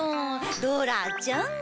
ドラちゃん！